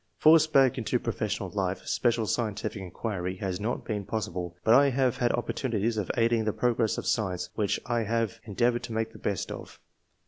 Forced back into profes sional life, special scientific inquiry has not been possible ; but I have had opportunities of aiding the progress of science, which I have endea voured to make the best of."